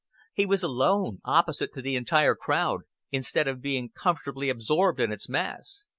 He was alone, opposite to the entire crowd, instead of being comfortably absorbed in its mass.